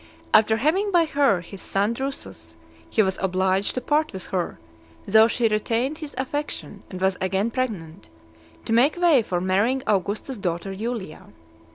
After having by her his son Drusus, he was obliged to part with her , though she retained his affection, and was again pregnant, to make way for marrying Augustus's daughter Julia.